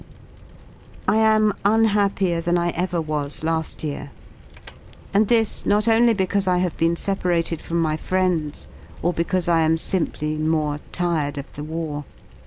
I am unhappier than I ever was lasl: year, and this not only because I have been separated from my friends or because I am simply more tired of the war.